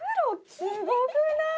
すごくない？